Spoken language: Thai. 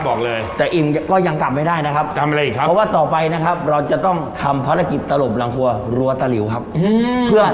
เผื่อยังไงบ้างครับซูอุมยังยังครับยันยังยังครับน้องแซ๊กครับบอกเลย